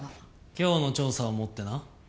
今日の調査をもってな。